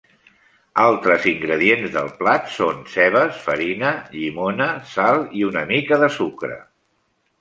Altres ingredients del plat són cebes, farina, llimona, sal i una mica de sucre.